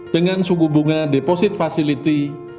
dengan suku bunga deposit facility